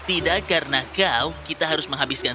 tidak karena kau kita harus menghabiskan